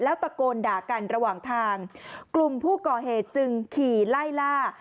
ตะโกนด่ากันระหว่างทางกลุ่มผู้ก่อเหตุจึงขี่ไล่ล่า